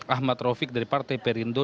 ahmad rofik dari partai perindo